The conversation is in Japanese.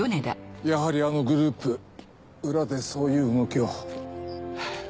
やはりあのグループ裏でそういう動きを。